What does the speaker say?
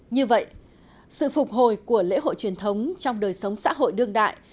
như vậy sự phục hồi của lễ hội truyền thống trong đời sống xã hội đương đại